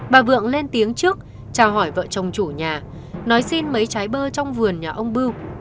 bà vượng lên tiếng trước trao hỏi vợ chồng chủ nhà nói xin mấy trái bơ trong vườn nhà ông bưu